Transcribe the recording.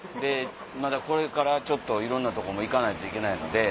まだこれからちょっといろんなとこも行かないといけないので。